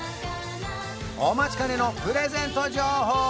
お待ちかねのプレゼント情報